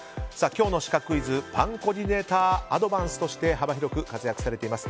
今日のシカクイズパンコーディネーターアドバンスとして幅広く活躍されています